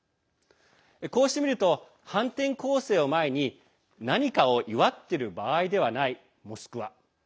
こうして見ると、反転攻勢を前に何かを祝っている場合ではないモスクワ。